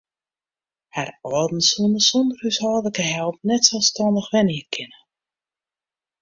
Har âlden soene sonder húshâldlike help net selsstannich wenje kinne.